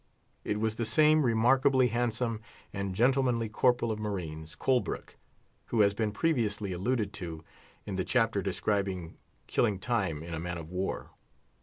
It was the same remarkably handsome and gentlemanly corporal of marines, Colbrook, who has been previously alluded to, in the chapter describing killing time in a man of war.